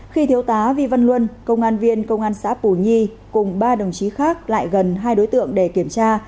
khi thiếu tá vi văn luân công an viên công an xã pù nhi cùng ba đồng chí khác lại gần hai đối tượng để kiểm tra